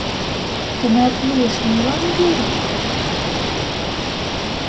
Тынар илыш, молан йӧрыш?..